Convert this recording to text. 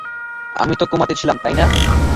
আমি তো কোমাতে ছিলাম, তাই না?